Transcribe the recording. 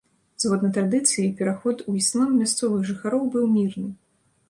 Згодна традыцыі, пераход у іслам мясцовых жыхароў быў мірны.